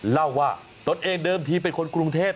เล่าว่าตนเองเดิมทีเป็นคนกรุงเทพ